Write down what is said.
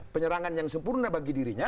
penyerangan yang sempurna bagi dirinya